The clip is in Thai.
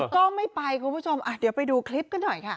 ก็ไม่ไปคุณผู้ชมเดี๋ยวไปดูคลิปกันหน่อยค่ะ